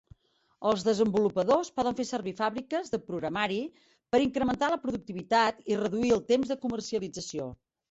El desenvolupadors poden fer servir fàbriques de programari per incrementar la productivitat i reduir el temps de comercialització.